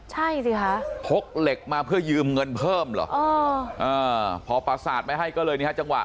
ใช่สิคะพกเหล็กมาเพื่อยืมเงินเพิ่มเหรอพอประสาทไม่ให้ก็เลยนี่ฮะจังหวะ